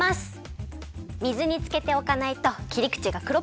水につけておかないときりくちがくろっぽくなっちゃうからね。